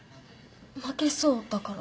負けそうだから？